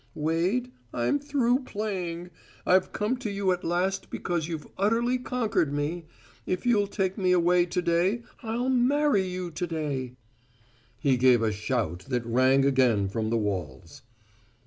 "Wade, I'm through playing. I've come to you at last because you've utterly conquered me. If you'll take me away to day, I'll marry you to day!" He gave a shout that rang again from the walls.